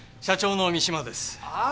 社長の三島です。